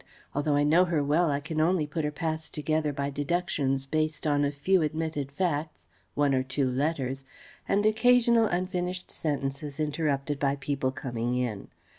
Although I know her well I can only put her past together by deductions based on a few admitted facts, one or two letters and occasional unfinished sentences, interrupted by people coming in.